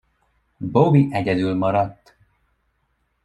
Bobby egyedül maradt.